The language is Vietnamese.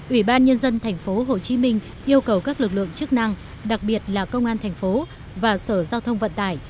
ủy ban nhân dân tp hcm yêu cầu các lực lượng chức năng đặc biệt là công an thành phố và sở giao thông vận tải